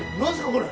これ。